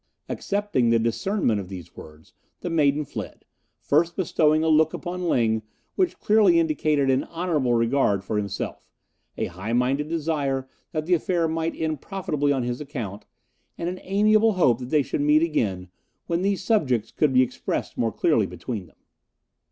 Accepting the discernment of these words, the maiden fled, first bestowing a look upon Ling which clearly indicated an honourable regard for himself, a high minded desire that the affair might end profitably on his account, and an amiable hope that they should meet again, when these subjects could be expressed more clearly between them.